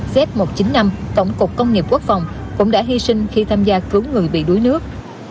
xếp một chính năm tổng cục công nghiệp quốc phòng cũng đã hy sinh khi tham gia cứu người bị đuối nước